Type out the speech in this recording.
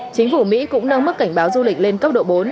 chính phủ mỹ cũng nâng mức cảnh báo du lịch lên cấp độ bốn